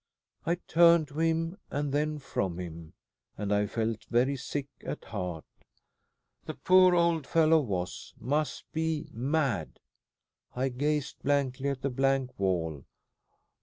I turned to him and then from him, and I felt very sick at heart. The poor old fellow was must be mad. I gazed blankly at the blank wall.